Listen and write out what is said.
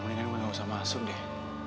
aduh mendingan gue gak usah masuk deh